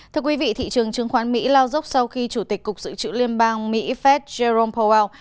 thưa quý vị thị trường chứng khoán mỹ lao dốc sau khi chủ tịch cục dự trữ liên bang mỹ fed jerome powell